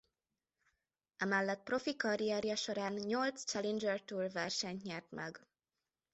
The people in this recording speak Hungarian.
Emellett profi karrierje során nyolc Challenger Tour versenyt nyert meg.